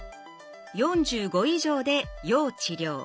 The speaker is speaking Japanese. ４５以上で要治療。